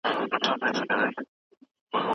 هغه وویل بدن د خولې تولید لپاره دوه ډوله غدې لري.